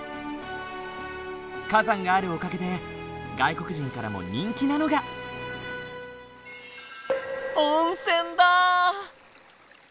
火山があるおかげで外国人からも人気なのが温泉だ！